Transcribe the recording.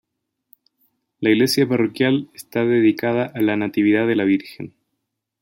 La iglesia parroquial está dedicada a la Natividad de la Virgen.